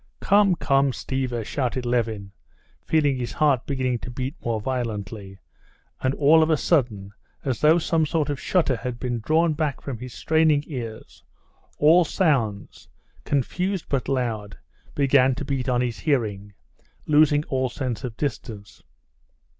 "Come, come, Stiva!" shouted Levin, feeling his heart beginning to beat more violently; and all of a sudden, as though some sort of shutter had been drawn back from his straining ears, all sounds, confused but loud, began to beat on his hearing, losing all sense of distance.